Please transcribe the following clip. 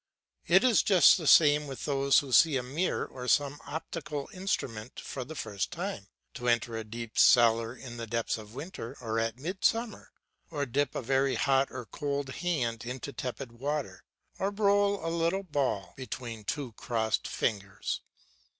It is just the same with those who see a mirror or some optical instrument for the first time, or enter a deep cellar in the depths of winter or at midsummer, or dip a very hot or cold hand into tepid water, or roll a little ball between two crossed fingers.